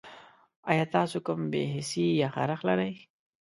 ایا تاسو کوم بې حسي یا خارښت لرئ؟